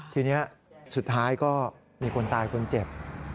ทีนี้สุดท้ายก็มีคนตายคนเจ็บ